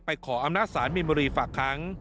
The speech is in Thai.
ไปขออำนาจสารมิลมิลีฝากครั้ง